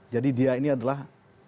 jadi dia ini adalah